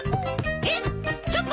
えっ？